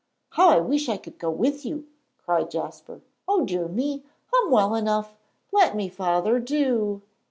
"How I wish I could go with you," cried Jasper. "O dear me! I'm well enough. Let me, Father, do!"